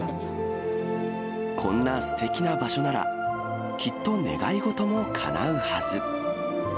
こんな素敵な場所なら、きっと願い事もかなうはず。